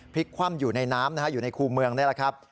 คว่ำอยู่ในน้ำนะฮะอยู่ในคู่เมืองนี่แหละครับ